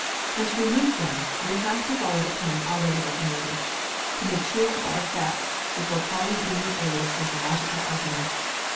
And to remove them, we have to follow the plan already recommended, to make sure of our facts, before calling in the aid of psychological arguments.